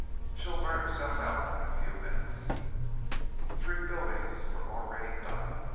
She'll burn herself out in a few minutes." The three buildings were already gutted.